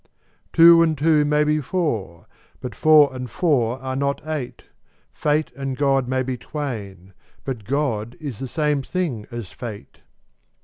Two and two may be four: but four and four are not eight: Fate and God may be twain: but God is the same thing as fate.